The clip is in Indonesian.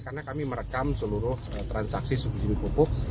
karena kami merekam seluruh transaksi subsidi pupuk